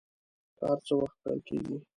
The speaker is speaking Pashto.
کار څه وخت پیل کیږي؟